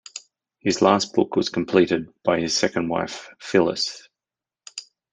His last book was completed by his second wife Phyllis.